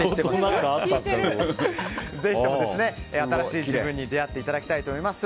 ぜひとも新しい自分に出会っていただきたいと思います。